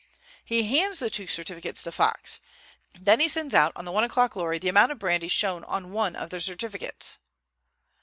He hands the two certificates to Fox. Then he sends out on the one o'clock lorry the amount of brandy shown on one of the certificates."